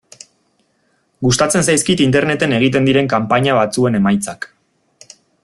Gustatzen zaizkit Interneten egiten diren kanpaina batzuen emaitzak.